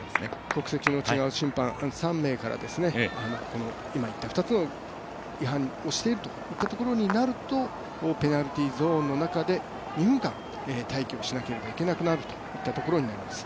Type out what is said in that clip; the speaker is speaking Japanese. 国籍の違う審判３名から、今言った２つの違反をしているといったことになるとペナルティゾーンの中で２分間待機をしなければいけないということになります。